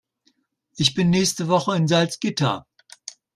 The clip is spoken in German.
Ich bin nächste Woche in Salzgitter